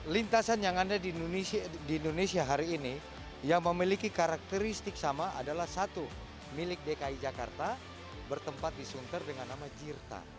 lintasan yang ada di indonesia hari ini yang memiliki karakteristik sama adalah satu milik dki jakarta bertempat di sunter dengan nama jirta